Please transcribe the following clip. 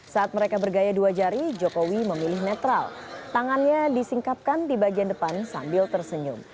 saat mereka bergaya dua jari jokowi memilih netral tangannya disingkapkan di bagian depan sambil tersenyum